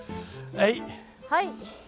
はい！